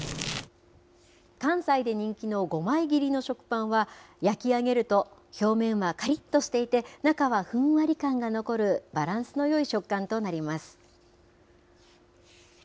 関西で人気の５枚切りの食パンは、焼き上げると、表面はかりっとしていて、中はふんわり感が残る、バランスのよい食感となります。